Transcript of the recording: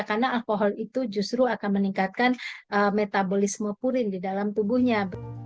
karena alkohol itu justru akan meningkatkan metabolisme purin di dalam tubuhnya